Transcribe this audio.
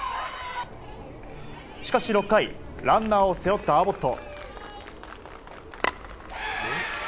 しかし６回ランナーを背負ったアボット。